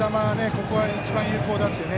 ここは一番有効だっていう。